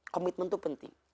komitmen itu penting